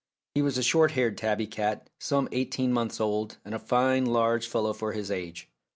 He was a short haired tabby cat, some eighteen months old, and a fine, large fellow for his age.